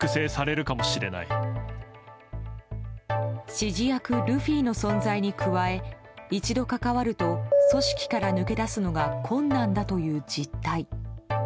指示役ルフィの存在に加え一度関わると組織から抜け出すのが困難だという実態。